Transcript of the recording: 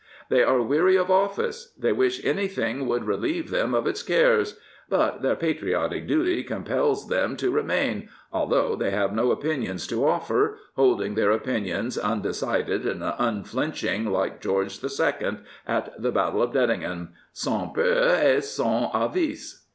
They are weary of office; they wish anything would relieve them of its cares; but their patriotic duty compels them to remain, although they have no opinions to oiler, holding their opinions undecided and unflinching, like George II. at the Battle of Dettingen, sans peur et sans avis.